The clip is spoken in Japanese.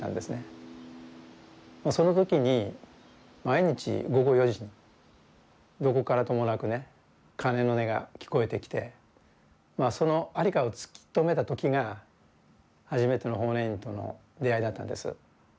その時に毎日午後４時にどこからともなくね鐘の音が聞こえてきてその在りかを突き止めた時が初めての法然院との出会いだったんです。